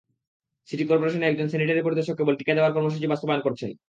City করপোরেশনে একজন sanitary পরিদর্শক কেবল টিকা দেওয়ার কর্মসূচি বাস্তবায়ন করছেন।